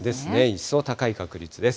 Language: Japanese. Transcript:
一層高い確率です。